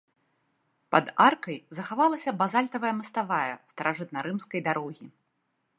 Пад аркай захавалася базальтавая маставая старажытнарымскай дарогі.